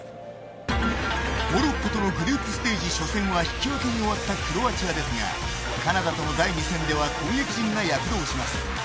モロッコとのグループステージ初戦は引き分けに終わったクロアチアですがカナダとの第２戦では攻撃陣が躍動します。